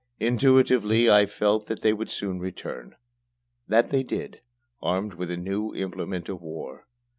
Intuitively I felt that they would soon return. That they did, armed with a new implement of war.